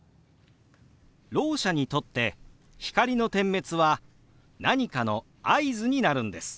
ろう者にとって光の点滅は何かの合図になるんです。